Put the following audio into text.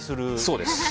そうです。